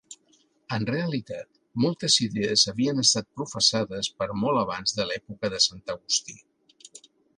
En realitat, moltes idees havien estat professades per molts abans de l'època de Sant Agustí.